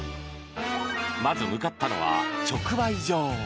まず向かったのは直売所。